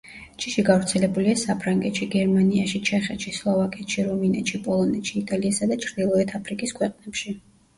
ჯიში გავრცელებულია საფრანგეთში, გერმანიაში, ჩეხეთში, სლოვაკეთში, რუმინეთში, პოლონეთში იტალიასა და ჩრდილოეთ აფრიკის ქვეყნებში.